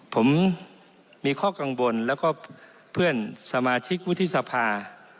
ผมมีข้อกังวลแล้วก็เพื่อนสมาชิกวุฒิสภา